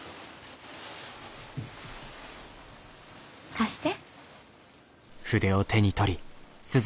貸して。